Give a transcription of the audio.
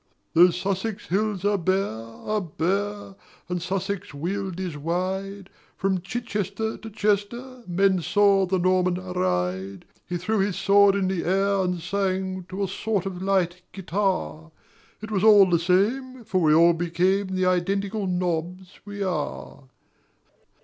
Though Sussex hills are bare, are bare, And Sussex weald is wide, From Chichester to Chester Men saw the Norman ride; He threw his sword in the air and sang To a sort of a light guitar; It was all the same, for we all became The identical nobs we are.